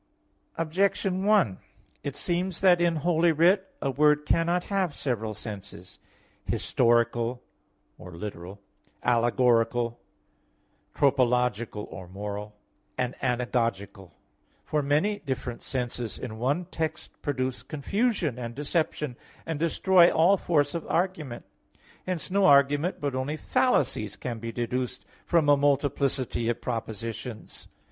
Objection 1: It seems that in Holy Writ a word cannot have several senses, historical or literal, allegorical, tropological or moral, and anagogical. For many different senses in one text produce confusion and deception and destroy all force of argument. Hence no argument, but only fallacies, can be deduced from a multiplicity of propositions.